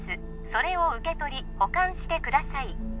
それを受け取り保管してください